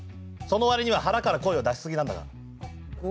そのわりには腹から声を出しすぎなんだが。